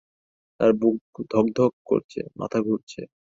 তাঁর বুক ধকধক করছে, মাথা ঘুরছে।